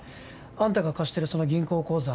あんたが貸してるその銀行口座